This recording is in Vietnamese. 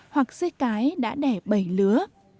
hoặc dê cái đã đẻ bầy lứa